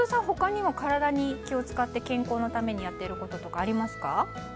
他にも体に気を使って健康のためにやっていることとかありますか？